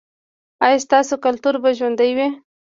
ایا ستاسو کلتور به ژوندی وي؟